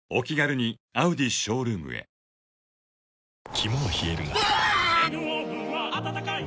肝は冷えるがうわ！